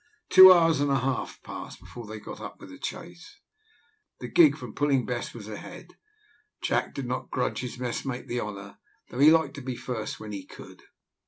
Two hours and a half passed before they got up with the chase. The gig, from pulling best, was ahead. Jack did not grudge his messmate the honour, though he liked to be first when he could.